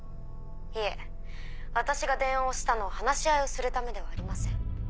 いえ私が電話をしたのは話し合いをするためではありません。